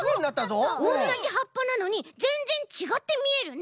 おんなじはっぱなのにぜんぜんちがってみえるね。